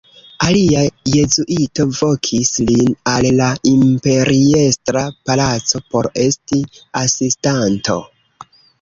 Alia jezuito vokis lin al la imperiestra palaco por esti asistanto.